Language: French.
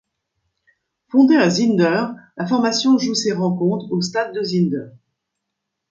Fondé à Zinder, la formation joue ses rencontres au Stade de Zinder.